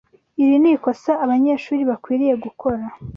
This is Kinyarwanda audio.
Iri ni ikosa abanyeshuri bakwiriye gukora.